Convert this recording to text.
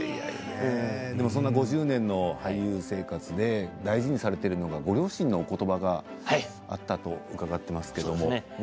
５０年の俳優生活で大切にされているご両親の言葉があったと伺っています。